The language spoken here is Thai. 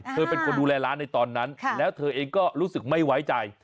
เธอเป็นคนดูแลร้านในตอนนั้นแล้วเธอเองก็รู้สึกไม่ไว้ใจ